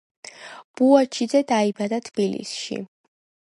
ბუაჩიძე დაიბადა თბილისში.